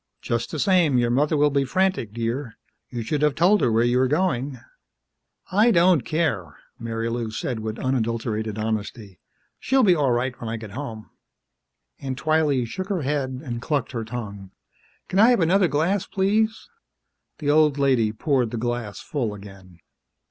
"Just the same, your mother will be frantic, dear. You should have told her where you were going." "I don't care," Marilou said with unadulterated honesty. "She'll be all right when I get home." Aunt Twylee shook her head and clucked her tongue. "Can I have another glass? Please?" The old lady poured the glass full again.